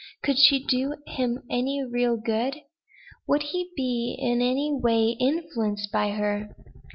Could she do him any real good? Would he be in any way influenced by her?"